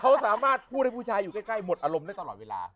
เขาสามารถพูดให้ผู้ชายอยู่ใกล้หมดอารมณ์ได้ตลอดเวลา